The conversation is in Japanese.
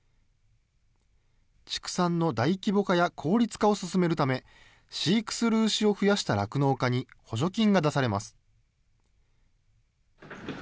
畜産の大規模化や効率化を進めるため、飼育する牛を増やした酪農家に補助金が出されます。